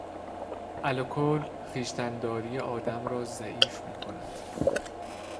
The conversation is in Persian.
الکل خویشتنداری آدم را ضعیف میکند.